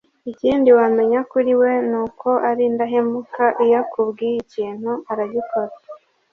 ikindi wamenya kuri we ni uko ari indahemuka iyo akubwiye ikintu aragikora